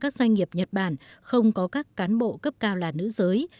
bảy mươi năm các doanh nghiệp nhật bản không có các cán bộ cấp cao là nữ giới